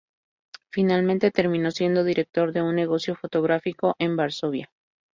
Finalmente terminó siendo director de un negocio fotográfico en Varsovia.